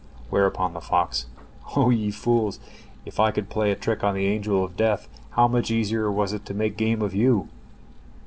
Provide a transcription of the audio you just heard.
Whereupon the fox: "O ye fools, if I could play a trick on the Angel of Death, how much easier was it to make game of you?"